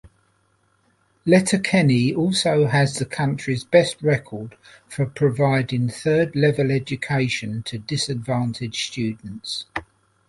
Letterkenny also has the country's best record for providing third-level education to disadvantaged students.